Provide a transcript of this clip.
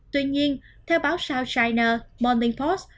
tuy nhiên theo báo south china morning post